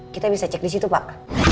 kita bisa cek disitu pak